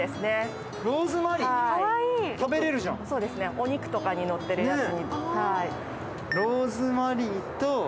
お肉とかにのってるやつ。